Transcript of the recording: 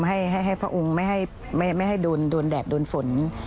ให้พระองค์ไม่ให้โดนแดดโดนฝน